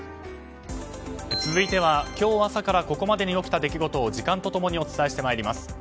続いては今日朝からここまでに起きた出来事を時間と共にお伝えしてまいります。